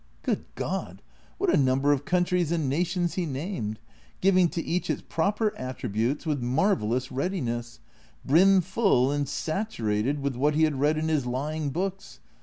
Good God ! what a number of countries and nations he named ! giving to each its proper attributes with marvellous readiness ; brimful and saturated with Avhat he had read in his lying books